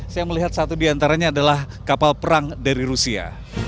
saya melihat satu diantaranya adalah kapal perang dari rusia